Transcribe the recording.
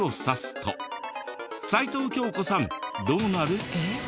齊藤京子さんどうなる？